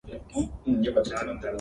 wfwarga